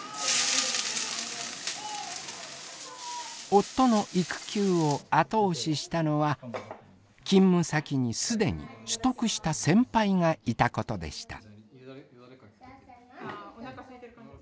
夫の育休を後押ししたのは勤務先に既に取得した先輩がいたことでした。